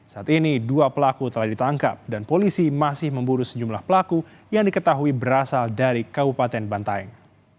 saat ini dua pelaku telah ditangkap dan polisi masih memburu sejumlah pelaku yang diketahui berasal dari kabupaten bantaeng